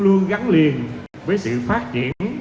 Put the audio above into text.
luôn gắn liền với các nội dung của thành phố hồ chí minh